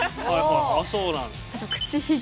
あそうなんだ。